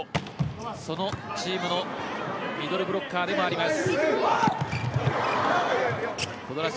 そのチームのミドルブロッカーでもあります。